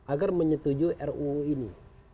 agar menyetujui ruu ini